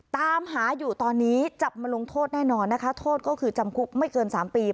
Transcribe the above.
ตามหาอยู่ตอนนี้จับมาลงโทษแน่นอนนะคะโทษก็คือจำคุกไม่เกิน๓ปี